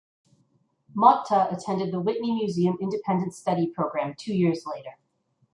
Motta attended the Whitney Museum Independent Study Program two years later.